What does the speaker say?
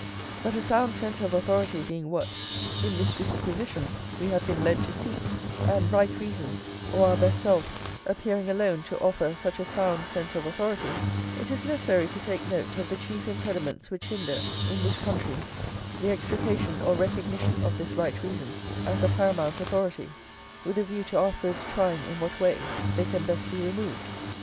But a sound centre of authority being what, in this disquisition, we have been led to seek, and right reason, or our best self, appearing alone to offer such a sound centre of authority, it is necessary to take note of the chief impediments which hinder, in this country, the extrication or recognition of this right reason as a paramount authority, with a view to afterwards trying in what way they can best be removed.